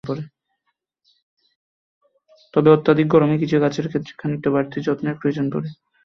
তবে অত্যধিক গরমে কিছু কিছু গাছের ক্ষেত্রে খানিকটা বাড়তি যত্নের প্রয়োজন পড়ে।